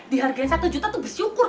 dihargain rp satu juta tuh bersyukur